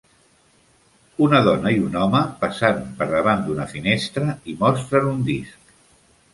Una dona i un home passant per davant d'una finestra i mostren un disc.